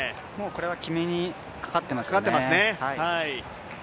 これは決めにかかっていますね。